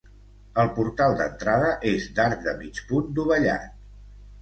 El portal d'entrada és d'arc de mig punt dovellat.